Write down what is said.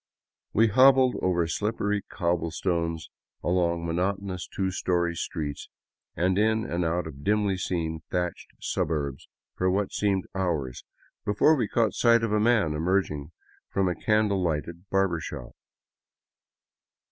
We hobbled over slippery cobblestones along monotonous two story streets and in and out of dimly seen thatched suburbs for what seemed hours before we caught a man emerging from a candle lighted barber shop.